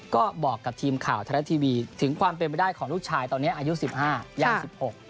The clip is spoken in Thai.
ก็บอกกับทีมข่าวธรรมดาทีวีถึงความเป็นไปได้ของลูกชายตอนนี้อายุ๑๕ย่าง๑๖